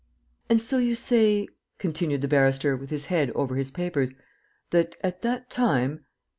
"And so you say," continued the barrister, with his head over his papers, "that, at that time